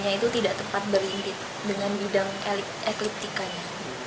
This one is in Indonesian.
nah itu tidak tepat berlipit dengan bidang ekliptikanya